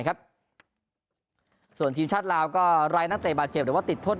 ครับส่วนทีมชาติลาวก็ไร้นักเตะบาดเจ็บหรือว่าติดโทษ